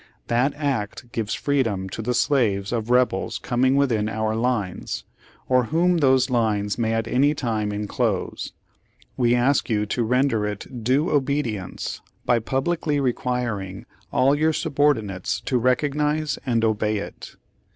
That act gives freedom to the slaves of Rebels coming within our lines, or whom those lines may at any time inclose — we ask you to render it due obedience by publicly requiring all your subordinates to recognize and obey it.